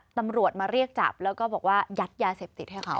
ตำรวจมาเรียกจับแล้วก็บอกว่ายัดยาเสพติดให้เขา